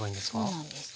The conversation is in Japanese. そうなんです。